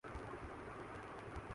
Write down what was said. اپنی ذات کو کم تر سمجھتا ہوں